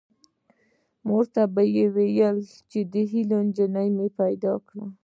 مور ته به ووایم چې د هیلو نجلۍ مې پیدا کړه